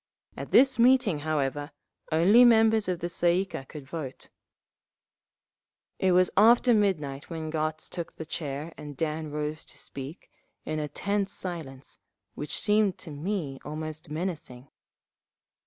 At this meeting, however, only members of the Tsay ee kah could vote…. It was after midnight when Gotz took the chair and Dan rose to speak, in a tense silence, which seemed to me almost menacing.